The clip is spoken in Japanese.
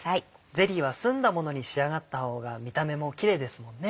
ゼリーは澄んだものに仕上がった方が見た目もキレイですもんね。